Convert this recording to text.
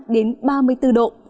hai mươi ba đến ba mươi bốn độ